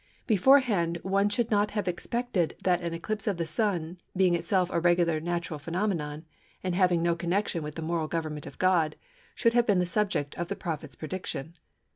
'"... "Beforehand, one should not have expected that an eclipse of the Sun, being itself a regular natural phenomenon, and having no connection with the moral government of God, should have been the subject of the prophet's prediction.